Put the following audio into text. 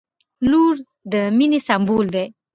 • لور د مینې سمبول دی.